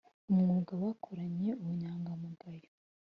umwuga bakoranye ubunyangamugayo